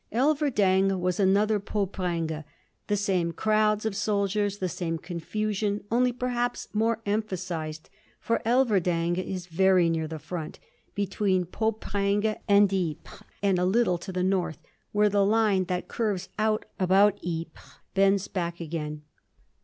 Elverdingue was another Poperinghe the same crowds of soldiers, the same confusion, only perhaps more emphasised, for Elverdingue is very near the front, between Poperinghe and Ypres and a little to the north, where the line that curves out about Ypres bends back again.